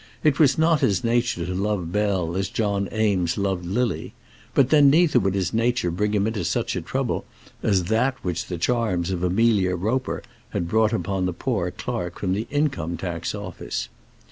It was not his nature to love Bell as John Eames loved Lily; but then neither would his nature bring him into such a trouble as that which the charms of Amelia Roper had brought upon the poor clerk from the Income tax Office.